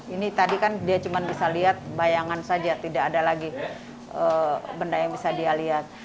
ini tadi kan dia cuma bisa lihat bayangan saja tidak ada lagi benda yang bisa dia lihat